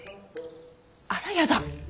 あらやだ。